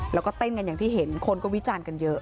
แล้วก็เต้นกันอย่างที่เห็นคนก็วิจารณ์กันเยอะ